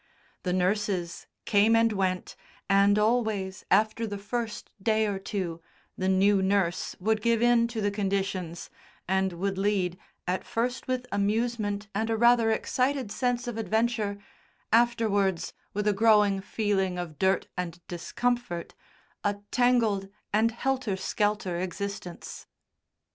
The nurses came and went, and always, after the first day or two, the new nurse would give in to the conditions, and would lead, at first with amusement and a rather excited sense of adventure, afterwards with a growing feeling of dirt and discomfort, a tangled and helter skelter existence.